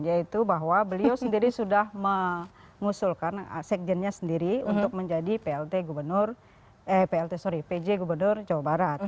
yaitu bahwa beliau sendiri sudah mengusulkan sekjennya sendiri untuk menjadi pj gubernur